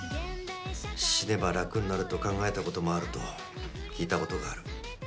死ねば楽になると考えた事もあると聞いた事がある。